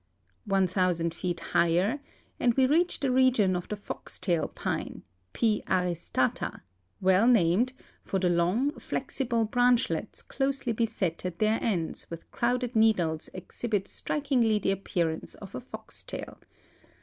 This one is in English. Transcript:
One thousand feet higher and we reach the region of the Foxtail pine (P. arisiata), well named, for the long, flexible branchlets closely beset at their ends with crowded needles exhibit strik ingly the appearance of a fox's tail.